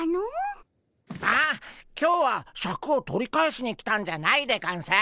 ああ今日はシャクを取り返しに来たんじゃないでゴンス。